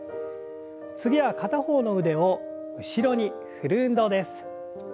次は片方の腕を後ろに振る運動です。